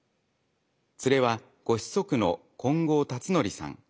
ツレはご子息の金剛龍謹さん。